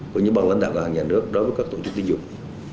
của những bằng lãnh đạo ngân hàng nhà nước đối với các tổ chức tiến dụng